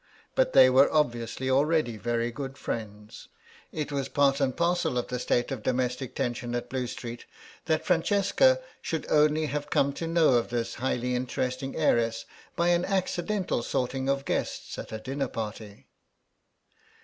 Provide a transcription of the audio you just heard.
But they were obviously already very good friends. It was part and parcel of the state of domestic tension at Blue Street that Francesca should only have come to know of this highly interesting heiress by an accidental sorting of guests at a dinner party.